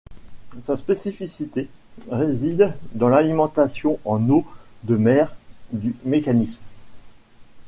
Sa spécificité réside dans l'alimentation en eau de mer du mécanisme.